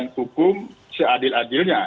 kepastian hukum seadil adilnya